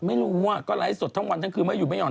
ไม่รู้อ่ะก็ไลฟ์สดทั้งวันทั้งคืนไม่อยู่ไม่ห่อ